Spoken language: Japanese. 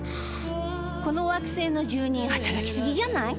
この惑星の住人働きすぎじゃない？